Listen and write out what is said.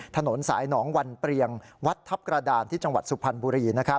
ถนนสายหนองวันเปรียงวัดทัพกระดานที่จังหวัดสุพรรณบุรี